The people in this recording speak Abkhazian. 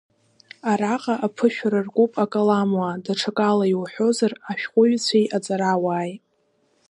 Араҟа аԥышәара ркуп акаламуаа, даҽакала иуҳәозар, ашәҟәыҩҩцәеи аҵарауааи.